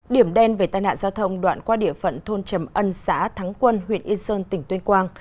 điểm đen về tai nạn giao thông đoạn qua địa phận thôn trầm ân xã thắng quân huyện yên sơn tỉnh tuyên quang